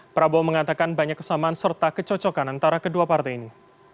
prabowo mengatakan banyak kesamaan serta kecocokan antara kedua partai ini